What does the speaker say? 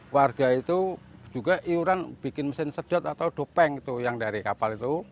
warga itu juga iuran bikin mesin sedot atau dopeng itu yang dari kapal itu